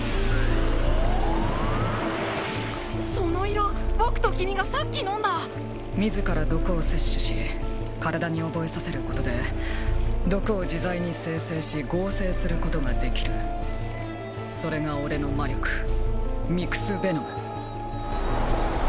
その色僕と君がさっき飲んだ自ら毒を摂取し体に覚えさせることで毒を自在に生成し合成することができるそれが俺の魔力ミクスベノム